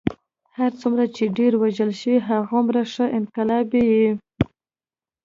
هر څومره چې ډېر وژلی شې هغومره ښه انقلابي یې.